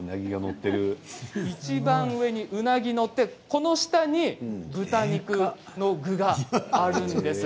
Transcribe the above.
いちばん上にうなぎが載ってこの下に豚肉の具があるんです。